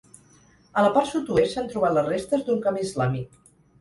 A la part sud-oest s'han trobat les restes d'un camp islàmic.